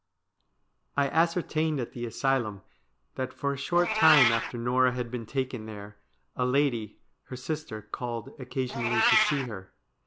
' I ascertained at the asylum that for a short time after Norah had been taken there, a lady, her sister, called occa sionally to see her.